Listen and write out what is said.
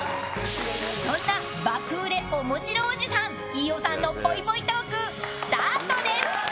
そんな爆売れおもしろおじさん飯尾さんのぽいぽいトークスタートです！